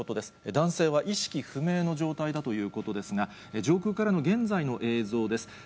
男性は意識不明の状態だということですが、上空からの現在の映像です。